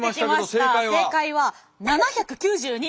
正解は７９２。